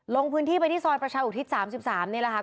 ลงพื้นที่ไปที่ซอยประชาอุทิศ๓๓นี่แหละค่ะ